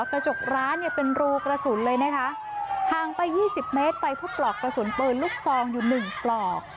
กระจกร้านเนี่ยเป็นรูกระสุนเลยนะคะห่างไปยี่สิบเมตรไปพบปลอกกระสุนปืนลูกซองอยู่หนึ่งปลอก